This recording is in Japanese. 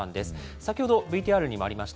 先ほどＶＴＲにもありました